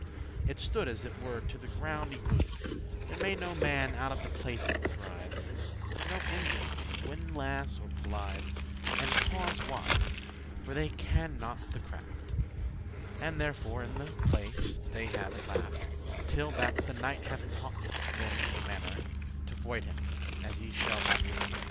* *removed <12> It stood as it were to the ground y glued; There may no man out of the place it drive For no engine of windlass or polive; * *pulley And cause why, for they *can not the craft;* *know not the cunning And therefore in the place they have it laft, of the mechanism* Till that the knight hath taught them the mannere To voide* him, as ye shall after hear.